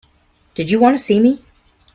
Did you want to see me?